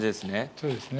そうですね。